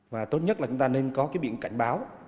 và tốt nhất là chúng ta nên có cái biển cảnh báo